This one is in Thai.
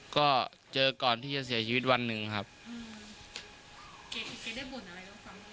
ก็เจอก่อนที่จะเสียชีวิตวันหนึ่งครับแกได้บุญอะไรแล้วความคิด